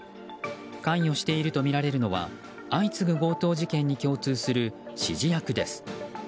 関与しているとみられるのは相次ぐ強盗事件に共通する指示役です。